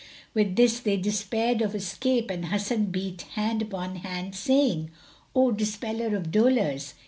With this they despaired of escape and Hasan beat hand upon hand, saying, "O Dispeller of dolours!